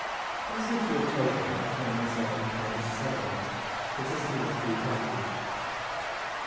Passing through a toll gate I found myself in a kind of suburb consisting of a few cottages.